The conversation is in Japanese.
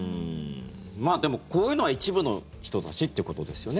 でも、こういうのは一部の人たちってことですよね。